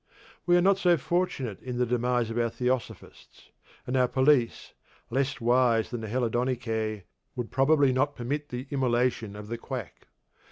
We are not so fortunate in the demise of our Theosophists; and our police, less wise than the Hellenodicae, would probably not permit the Immolation of the Quack.